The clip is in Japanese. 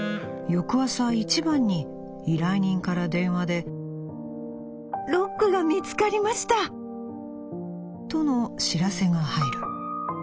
「翌朝一番に依頼人から電話で『ろっくが見つかりました！』との知らせが入る。